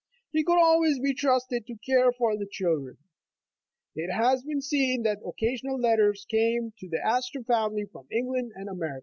He could always be trusted to care for the children. It has been seen that occasional letters came to the Astor family from England and America.